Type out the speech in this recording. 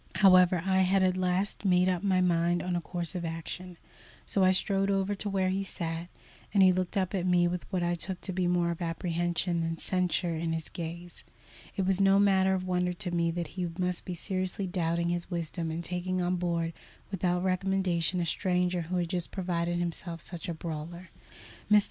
However, I had at last made up my mind on a course of action, so I strode over to where he sat, and he looked up at me with what I took to be more of apprehension than censure in his gaze. It was no matter of wonder to me that he must be seriously doubting his wisdom in taking on board without recommendation a stranger who had just proved himself such a brawler. "Mr.